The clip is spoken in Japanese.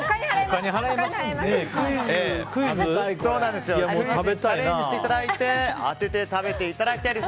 クイズにチャレンジしていただいて当てて、食べていただきたいです。